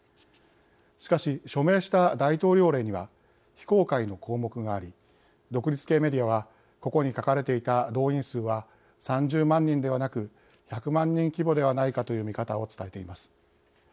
しかし、署名した大統領令には非公開の項目があり独立系メディアはここに書かれていた動員数は３０万人ではなく１００万人規模ではないかという見方を伝えています。